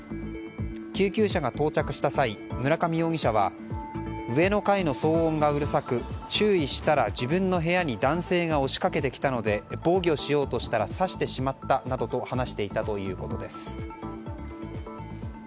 救急車が到着した際村上容疑者は上の階の騒音がうるさく注意したら自分の部屋に男性が押しかけてきたので防御しようとしたら刺してしまったなどと話していたということです。